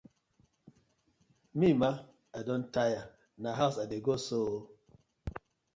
Mi ma, I don tire, na hawz I dey go so ooo.